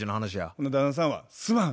ほな旦那さんは「すまん。